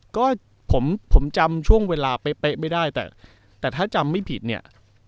ก็ผมผมจำช่วงเวลาเป๊ะไม่ได้แต่แต่ถ้าจำไม่ผิดเนี่ย